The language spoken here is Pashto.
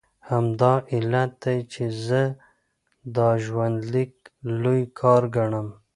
همدا علت دی چې زه دا ژوندلیک لوی کار ګڼم.